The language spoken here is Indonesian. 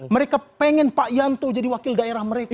mereka pengen pak yanto jadi wakil daerah mereka